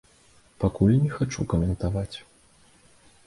Пакуль не хачу каментаваць.